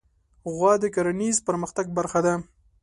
غوا د کرهڼیز پرمختګ برخه ده.